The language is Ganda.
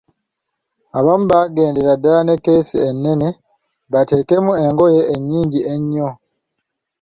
Abamu baagendera ddala ne keesi ennene bateekemu engoye ennyingi ennyo.